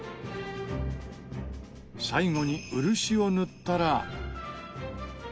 最後に漆を塗ったら。